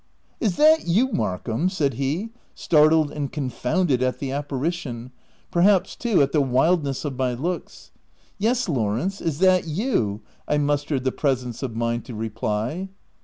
u Is that you Markham ?" said he, startled and confounded at the apparition — perhaps, too, at the wildness of my looks. t€ Yes, Lawrence — is that you ?° I mustered the presence of mind to reply.